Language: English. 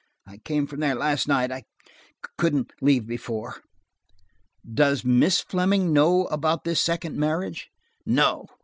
I came from there last night. I–couldn't leave before." "Does Miss Fleming know about this second marriage?" "No.